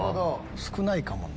少ないかもね。